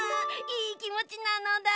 いいきもちなのだ！